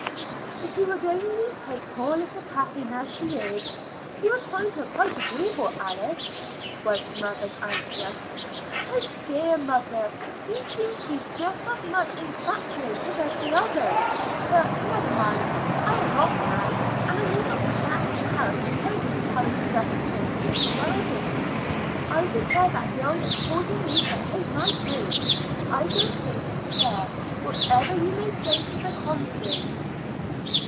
"If you would only take poor little Kathleen as she is, you would find her quite agreeable, Alice," was her mother's answer. "Oh dear, mother! you seem to be just as much infatuated as the others. But never mind. I am off now, and I need not be back in the house until it is time to dress to go to Mrs. Weldon's. I declare that girl is causing me to hate my home. I don't think its fair, whatever you may say to the contrary."